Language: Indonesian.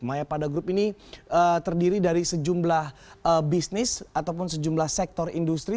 maya pada group ini terdiri dari sejumlah bisnis ataupun sejumlah sektor industri